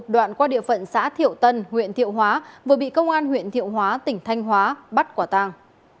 đoạn qua địa phận xã thiệu tân huyện thiệu hóa vừa bị công an huyện thiệu hóa tỉnh thanh hóa bắt quả tàng